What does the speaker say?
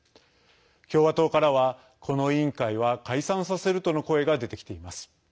共和党からはこの委員会は解散させるとの声が出てきています。